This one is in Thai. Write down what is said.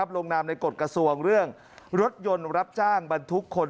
ลงนามในกฎกระทรวงเรื่องรถยนต์รับจ้างบรรทุกคน